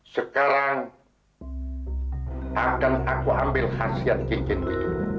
sekarang akan aku ambil hasil kikinmu